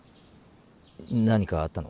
何かあったの？